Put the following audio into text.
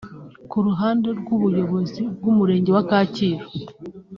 Ku ruhande rw’ubuyobozi bw’Umurenge wa Kacyiru